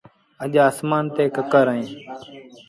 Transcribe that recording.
اَڄ آسمآݩ تي ڪڪر اهيݩ